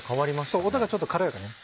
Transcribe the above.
そう音がちょっと軽やかにね